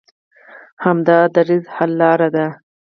همدا دریځ حل لاره ده.